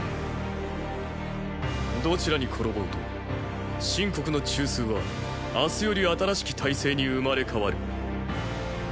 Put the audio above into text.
どちらに転ぼうと秦国の中枢は明日より新しき体制に生まれ変わる。